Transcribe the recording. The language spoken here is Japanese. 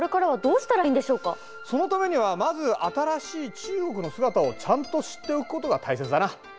でもそのためにはまず新しい中国の姿をちゃんと知っておくことが大切だな。